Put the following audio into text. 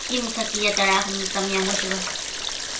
Kimsa killataraqmi tamyamushqa.